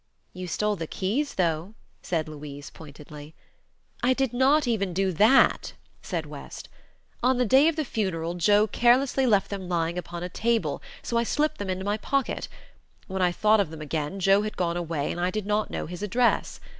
"You stole the keys, though," said Louise, pointedly. "I did not even do that," said West. "On the day of the funeral Joe carelessly left them lying upon a table, so I slipped them into my pocket. When I thought of them again Joe had gone away and I did not know his address.